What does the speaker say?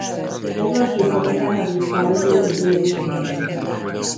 Legalsó szakaszán a víztározó öblévé szélesedik.